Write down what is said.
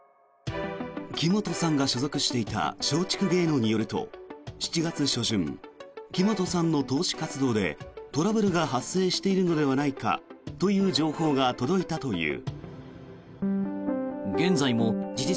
木本さんが所属していた松竹芸能によると７月初旬、木本さんの投資活動でトラブルが発生しているのではないかという情報が届いたという。